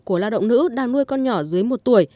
của lao động nữ đang nuôi con nhỏ dưới một tuổi